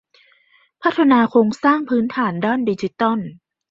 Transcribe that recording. พัฒนาโครงสร้างพื้นฐานด้านดิจิทัล